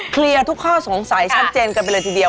เคลียร์ทุกข้อสงสัยชัดเจนกันไปเลยทีเดียว